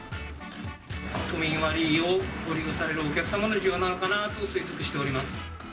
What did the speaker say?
都民割をご利用されるお客様の利用なのかなと推測しております。